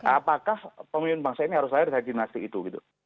apakah pemimpin bangsa ini harus lahir dari dinasti itu gitu